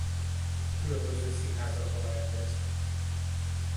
Különböző színházakban rendez.